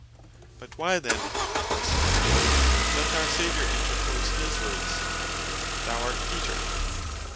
But why then (will some object) doth our Saviour interpose these words, "Thou art Peter"?